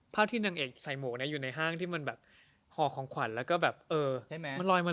เพราะหนังเอกใส่โหมกนะเองอยู่ในห้างที่มันแบบหอของขวัญและฟัง